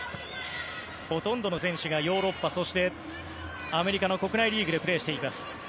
ほとんどの選手がヨーロッパそして、アメリカの国内リーグでプレーしています。